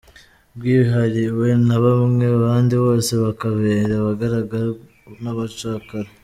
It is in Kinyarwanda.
Bwihariwe na bamwe, abandi bose bakababera abagaragaragu n’abacakara.